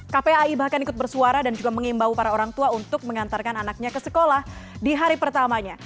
kpai bahkan ikut bersuara dan juga mengimbau para orang tua untuk mengantarkan anaknya ke sekolah di hari pertamanya